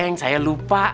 derem saya lupa